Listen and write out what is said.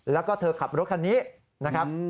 แล้วก็เธอขับรถคันนี้นะครับ